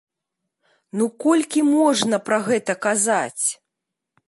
Ну колькі можна пра гэта казаць?